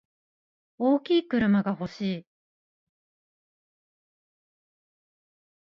大きい車が欲しい。